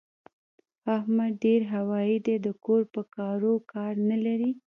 احمد ډېر هوايي دی؛ د کور په کارو کار نه لري.